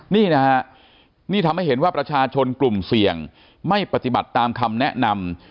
นี่นะฮะนี่ทำให้เห็นว่าประชาชนกลุ่มเสี่ยงไม่ปฏิบัติตามคำแนะนำ